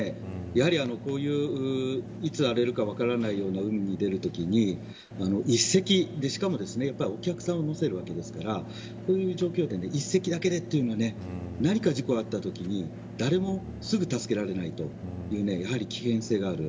やはり、こういういつ荒れるか分からないような海に出るときに１隻で、しかもお客さんを乗せるわけですからこういう状況で１隻だけというのは何か事故があったときに誰もすぐ助けられないという危険性がある。